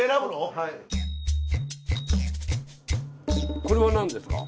これは何ですか？